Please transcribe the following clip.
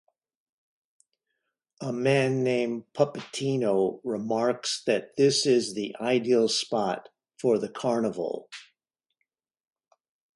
A man named Puppetino remarks that this is the ideal spot for the carnival.